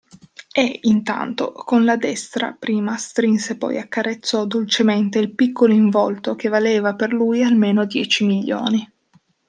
E, intanto, con la destra prima strinse poi accarezzò dolcemente il piccolo involto che valeva per lui almeno dieci milioni.